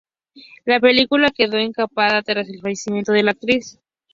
La película quedó inacabada tras el fallecimiento de la actriz.